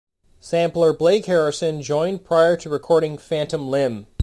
Sampler Blake Harrison joined prior to recording "Phantom Limb".